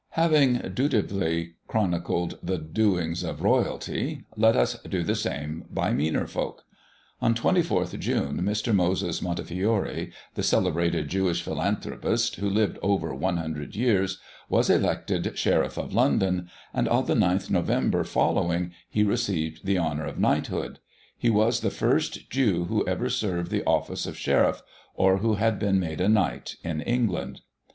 Having dutifully chronicled the doings of Royalty, let us do the same by meaner folk. On 24th June, Mr. Moses Montefiore, the celebrated Jewish philanthropist, who lived over one hundred years, was elected Sheriff of London, and, on the 9th Nov. following, he received the honour of Knight /^hood. He was the first Jew who ever served the office of Sheriff, or who had been made a Knight, in England.